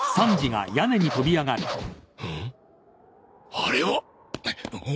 あれはお？